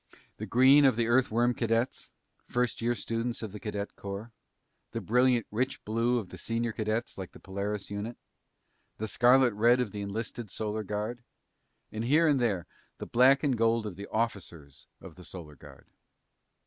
The green of the Earthworm cadets, first year students of the Cadet Corps; the brilliant rich blue of the senior cadets like the Polaris unit; the scarlet red of the enlisted Solar Guard; and here and there, the black and gold of the officers of the Solar Guard.